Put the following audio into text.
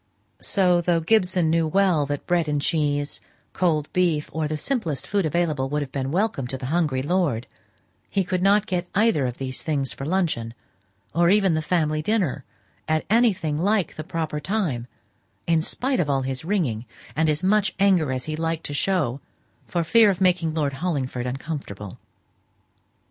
So, though Mr. Gibson knew well that bread and cheese, cold beef, or the simplest food available, would have been welcome to the hungry lord, he could not get either these things for luncheon, or even the family dinner, at anything like the proper time, in spite of all his ringing, and as much anger as he liked to show, for fear of making Lord Hollingford uncomfortable.